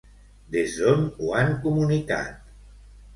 Des d'on ho han comunicat?